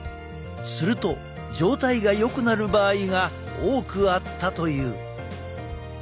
すると状態がよくなる場合が多くあったという。